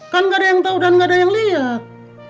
kan gak ada yang tau dan gak ada yang liat